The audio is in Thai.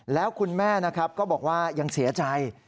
แล้วคุณแม่นะครับก็บอกว่ายังเสียใจ